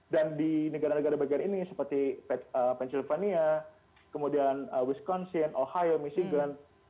dan di negara negara bagian ini seperti pennsylvania kemudian wisconsin ohio michigan